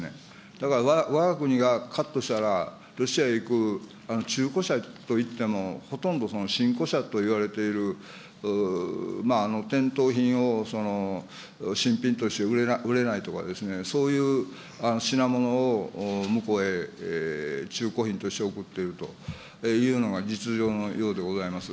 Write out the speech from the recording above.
だからわが国がカットしたら、ロシアへ行く中古車といっても、ほとんど新古車といわれている店頭品を新品として売れないとかですね、そういう品物を向こうへ中古品として送っているというのが実情のようでございます。